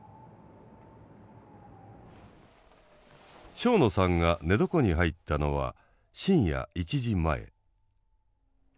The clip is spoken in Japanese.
庄野さんが寝床に入ったのは深夜１時前。